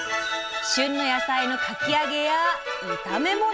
旬の野菜のかき揚げや炒め物。